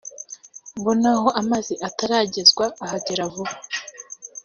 ngo n’aho amazi ataragezwa ahagere vuba